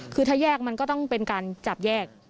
คือถ้าแยกมันก็ต้องเป็นการจับแยก